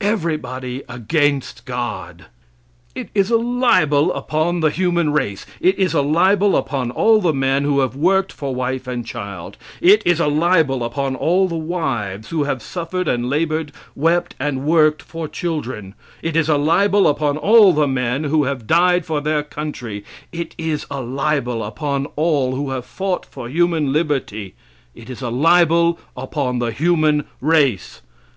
Everybody against God! It is a libel upon the human race; it is a libel upon all the men who have worked for wife and child; it is a libel upon all the wives who have suffered and labored, wept and worked for children; it is a libel upon all the men who have died for their country; it is a libel upon all who have fought for human liberty; it is a libel upon the human race.